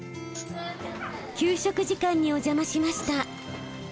給食時間にお邪魔しました。